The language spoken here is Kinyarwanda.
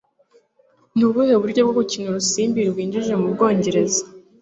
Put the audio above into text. Ni ubuhe buryo bwo gukina urusimbi bwinjijwe mu Bwongereza ?